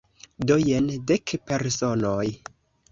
Do jen dek personoj.